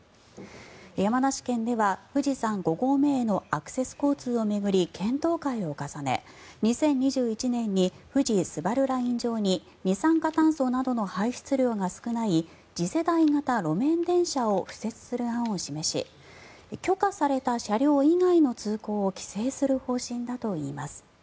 山梨県では富士山５合目へのアクセス交通を巡り検討会を重ね、２０２１年に富士スバルライン上に二酸化炭素などの排出量が少ない次世代型路面電車を敷設する案を示し許可された車両以外の通行を規制する方針だといいます。